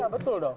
iya betul dong